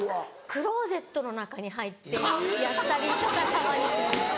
クローゼットの中に入ってやったりとかたまにします。